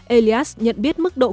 elias nhận biết mức đội